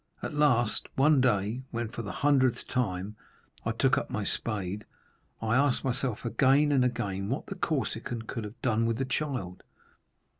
At last, one day, when for the hundredth time I took up my spade, I asked myself again and again what the Corsican could have done with the child.